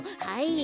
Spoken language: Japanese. はい。